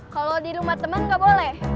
kalau di rumah temen gak boleh